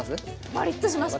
パリッとします！